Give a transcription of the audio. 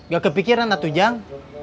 gak kepikiran atujang